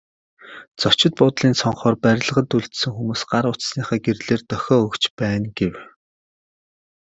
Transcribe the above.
Зочид буудлын цонхоор барилгад үлдсэн хүмүүс гар утасныхаа гэрлээр дохио өгч байна гэв.